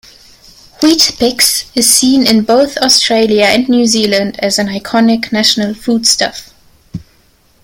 Weet-Bix is seen in both Australia and New Zealand as an iconic national foodstuff.